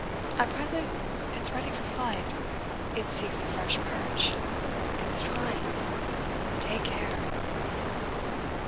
At present it's ready for flight it seeks a fresh perch. It's trying. Take care."